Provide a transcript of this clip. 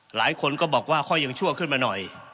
หลายคนก็บอกว่าค่อยยังชั่วขึ้นมาหน่อย